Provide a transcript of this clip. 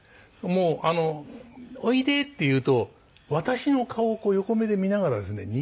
もう「おいで」って言うと私の顔を横目で見ながらですね